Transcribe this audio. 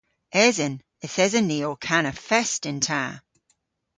Esen. Yth esen vy ow kana fest yn ta.